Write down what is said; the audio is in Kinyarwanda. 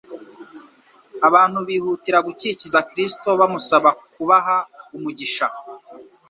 Abantu bihutira gukikiza Kristo, bamusaba kubaha umugisha.